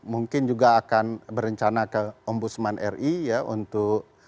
mungkin juga akan berencana ke ombudsman ri ya untuk